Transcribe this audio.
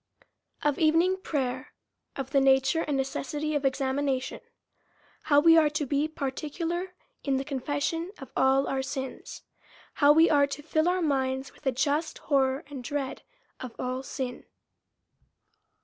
Of Evening Prayer. Of the nature and necessity of Examination. How we are to he particular in the Confession of all our Sins. How we are to Jill our minds with a just horror and dread of all Sin.